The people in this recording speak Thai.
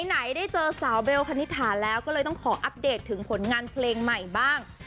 ไหนได้เจอสาวเบลคณิตถาแล้วก็เลยต้องขออัปเดตถึงผลงานเพลงใหม่บ้าง